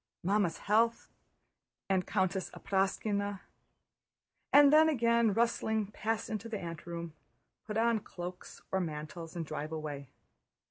Mamma's health... and Countess Apráksina..." and then, again rustling, pass into the anteroom, put on cloaks or mantles, and drive away.